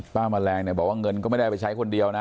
แมลงเนี่ยบอกว่าเงินก็ไม่ได้เอาไปใช้คนเดียวนะ